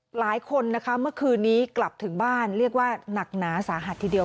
หลายคนนะคะเมื่อคืนนี้กลับถึงบ้านเรียกว่าหนักหนาสาหัสทีเดียว